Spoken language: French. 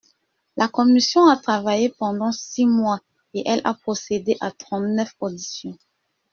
La commission a travaillé pendant six mois, et elle a procédé à trente-neuf auditions.